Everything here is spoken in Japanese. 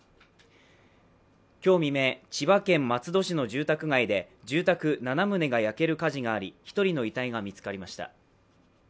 今日未明、千葉県松戸市の住宅街で、住宅７棟が焼ける火事があり、１人の遺体が見つかりました。